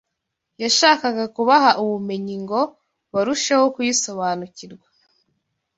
yashakaga kubaha ubumenyi ngo barusheho kuyisobanukirwa.